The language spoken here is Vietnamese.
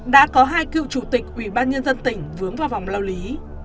đã có hai cựu chủ tịch ubnd tỉnh vướng vào vòng lao lý